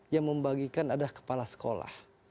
yang membagikan adalah kepala sekolah